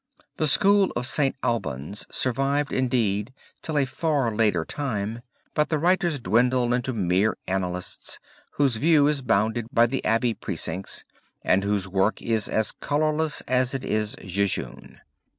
The school of St. Albans survived indeed till a far later time, but the writers dwindle into mere annalists whose view is bounded by the Abbey precincts, and whose work is as colorless as it is jejune.